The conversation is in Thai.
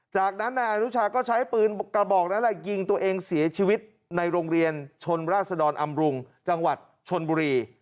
จากนั้นนายอนุชาก็ใช้ปืนกระบอกนั้นแหละยิงตัวเองเสียชีวิตในโรงเรียนชนราศดรอำรุงจังหวัดชนบุรี